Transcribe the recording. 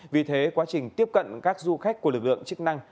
vì thế quá trình tiếp cận các du khách của lực lượng chức năng